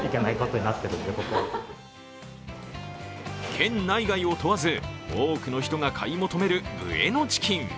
県内外を問わず、多くの人が買い求めるブエノチキン。